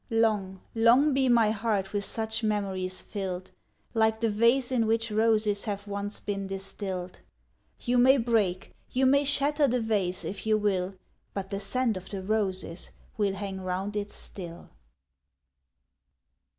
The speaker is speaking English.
Long, long be my heart with such memories filled! Like the vase in which roses have once been distilled You may break, you may shatter the vase, if you will, But the scent of the roses will hang round it still.